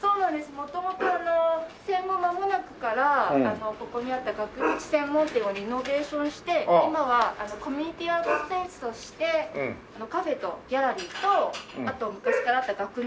元々あの戦後まもなくからここにあった額縁専門店をリノベーションして今はコミュニティーアートスペースとしてカフェとギャラリーとあと昔からあった額の。